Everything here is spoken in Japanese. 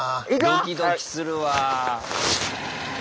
ドキドキするわぁ。